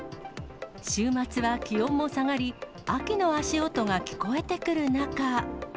週末は気温も下がり、秋の足音が聞こえてくる中。